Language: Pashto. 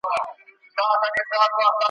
په هر پوځ کي برتۍ سوي یو پلټن یو `